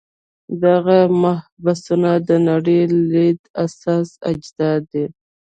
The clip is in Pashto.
دغه مبحثونه د نړۍ لید اساسي اجزا دي.